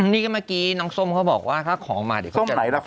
นี่ก็เมื่อกี้น้องส้มเขาบอกว่าถ้าของมาเดี๋ยวเขาจะไร